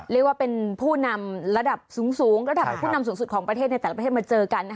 เรียกว่าเป็นผู้นำสูงสุดของประเทศในแต่ละประเทศมาเจอกัน